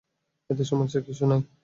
এতে সমস্যার কিছু নেই।